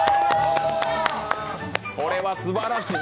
これはすばらしい。